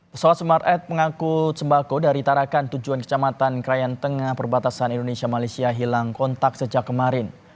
pesawat smart pengangkut sembako dari tarakan tujuan kecamatan krayan tengah perbatasan indonesia malaysia hilang kontak sejak kemarin